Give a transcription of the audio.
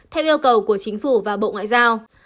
theo yêu cầu của chính phủ và bộ ngoại giao